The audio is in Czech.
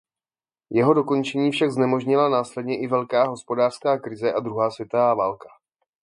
Jeho dokončení však znemožnila následně i Velká hospodářská krize a druhá světová válka.